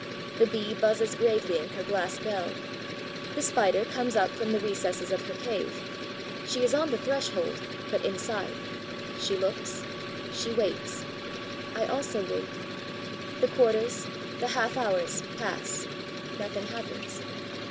The Bee buzzes gravely in her glass bell; the Spider comes up from the recesses of her cave; she is on the threshold, but inside; she looks; she waits. I also wait. The quarters, the half hours pass; nothing happens.